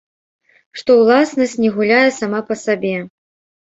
Што ўласнасць не гуляе сама па сабе.